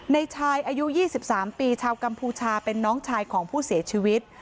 ในชายอายุ๒๓ปีชาวกัมพูชาเป็นน้องชายของผู้เสียชีวิต